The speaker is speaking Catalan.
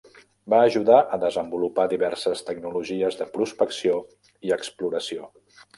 Va ajudar a desenvolupar diverses tecnologies de prospecció i exploració.